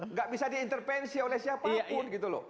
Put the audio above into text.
nggak bisa diintervensi oleh siapa pun